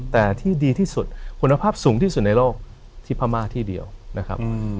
แต่ที่ดีที่สุดคุณภาพสูงที่สุดในโลกที่พม่าที่เดียวนะครับ